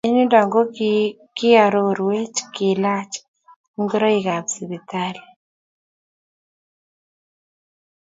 Eng yundo kokikiarorweech kelaach ingoroiikab sipitali.